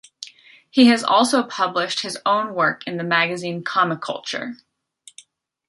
He has also published his own work in the magazine "Comiculture".